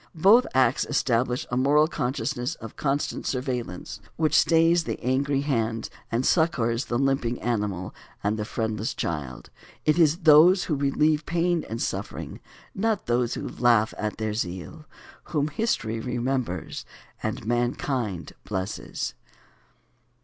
Both acts establish a moral consciousness of constant surveillance, which stays the angry hand and succors the limping animal and the friendless child. It is those who relieve pain and suffering, not those who laugh at their zeal, whom history remembers and mankind blesses.